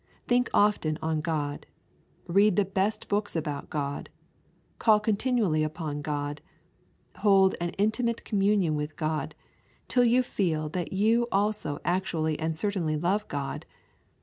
Think often on God; read the best books about God; call continually upon God; hold an intimate communion with God, till you feel that you also actually and certainly love God.